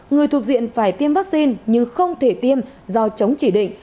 người thuộc diện phải tiêm vaccine nhưng không thể tiêm do chống chỉ định